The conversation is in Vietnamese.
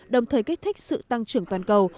đồng thời kích thích sự tăng trưởng toàn cầu